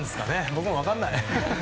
僕も分からない！